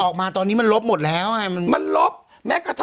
ได้ที่สุดแล้วมันลบไง